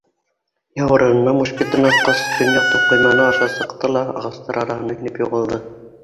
Яурынына мушкетын аҫҡас, төньяҡтан ҡойманы аша сыҡты ла ағастар араһына инеп юғалды.